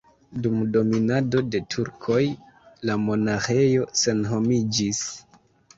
Dum dominado de turkoj la monaĥejo senhomiĝis.